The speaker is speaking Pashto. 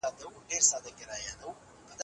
د دغي ودانۍ په انګړ کي مي خپل شکر تازه کړی.